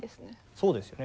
そうですね。